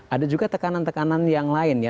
ada juga tekanan tekanan yang lain ya